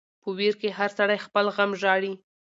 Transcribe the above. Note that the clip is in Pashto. په ویر کی هر سړی خپل غم ژاړي .